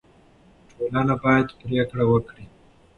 ټولنه باید پرېکړه وکړي.